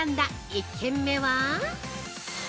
１軒目は！？